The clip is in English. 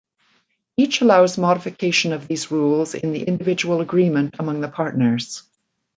Each allows modification of these rules in the individual agreement among the partners.